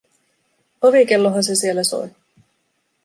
Ovikellohan se siellä soi.